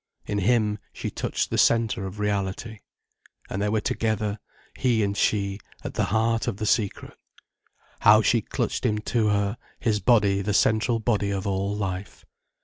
In him, she touched the centre of reality. And they were together, he and she, at the heart of the secret. How she clutched him to her, his body the central body of all life.